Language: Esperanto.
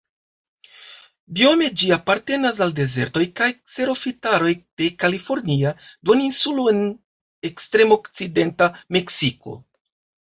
Biome ĝi apartenas al dezertoj kaj kserofitaroj de Kalifornia Duoninsulo en ekstrem-okcidenta Meksiko.